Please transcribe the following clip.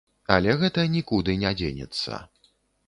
Але гэта нікуды не дзенецца.